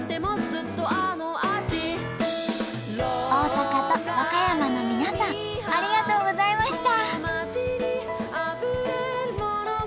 大阪と和歌山の皆さんありがとうございました。